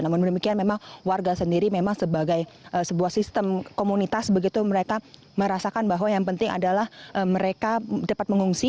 namun demikian memang warga sendiri memang sebagai sebuah sistem komunitas begitu mereka merasakan bahwa yang penting adalah mereka dapat mengungsi